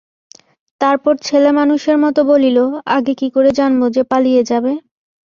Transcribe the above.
তারপর ছেলেমানুষের মতো বলিল, আগে কী করে জানব যে পালিয়ে যাবে?